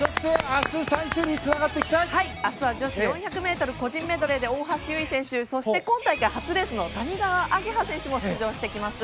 明日は女子４００ｍ個人メドレーで大橋悠依選手そして今大会初レースの谷川亜華葉選手も出場してきます。